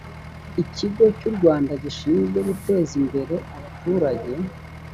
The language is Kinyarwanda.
ikigo cy u rwanda gishinzwe guteza imbere abaturage